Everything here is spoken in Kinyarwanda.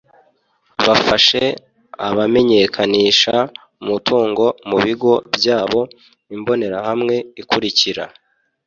bafashe abamenyekanisha umutungo mu bigo byabo Imbonerahamwe ikurikira